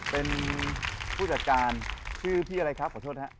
เป็นผู้จัดการชื่อพี่อะไรครับขอโทษครับ